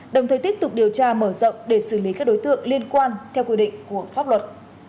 đồng thời tiếp tục điều tra mở rộng để xử lý các đối tượng liên quan theo quy định của pháp luật